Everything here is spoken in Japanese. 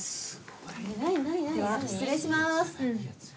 何何何？では失礼します！